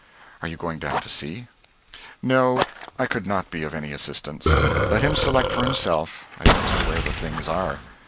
"Are you going down to see?" "No; I could not be of any assistance. Let him select for himself; I don't know where the things are."